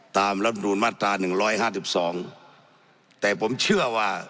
ตามรับรุนมาตรา๑๕๒แต่ผมเชื่อว่า